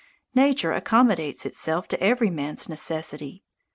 Nature accommodates itself to every man's necessity.